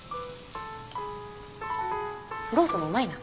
ロースもうまいな。